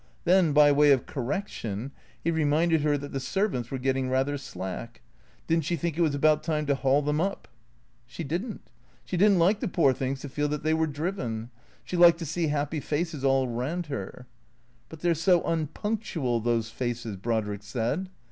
Then by way of correction he reminded her that the servants were getting rather slack. Did n't she think it was about time to haul them up ? She did n't. She did n't like the poor things to feel that they were driven. Slie liked to see happy faces all around her. " But they 're so unpunctual — those faces," Brodrick said.